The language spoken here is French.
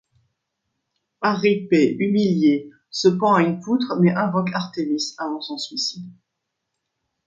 Arrhipé, humiliée, se pend à une poutre, mais invoque Artémis avant son suicide.